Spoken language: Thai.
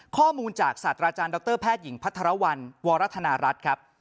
ข้อมูลจากศาสตราจารย์ดรแพทย์หญิงพัทรวรรณวรธนารัฐครับ